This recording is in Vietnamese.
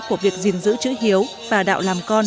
của việc giữ chữ hiếu và đạo làm con